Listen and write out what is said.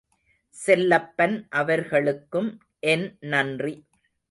செல்லப்பன் அவர்களுக்கும் என் நன்றி.